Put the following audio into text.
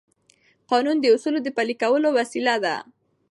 قانون د اصولو د پلي کولو وسیله ده.